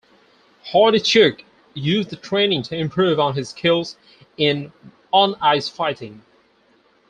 Hordichuk used the training to improve on his skills in on-ice fighting.